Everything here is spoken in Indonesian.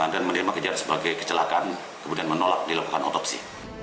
dan mendiam kejar sebagai kecelakaan kemudian menolak dilakukan otopsi